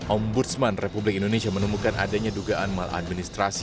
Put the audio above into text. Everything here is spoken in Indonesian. ombudsman republik indonesia menemukan adanya dugaan maladministrasi